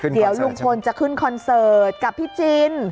เดี๋ยวลุงพลจะขึ้นคอนเสิร์ตกับพี่จิน